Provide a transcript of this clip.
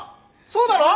そうだろ？